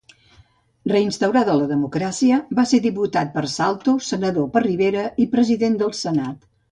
Reinstaurada la democràcia, va ser diputat per Salto, senador per Rivera i president del Senat.